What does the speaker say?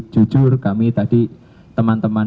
jujur kami tadi teman teman